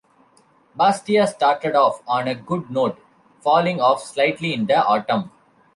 Bastia started off on a good note, falling off slightly in the autumn.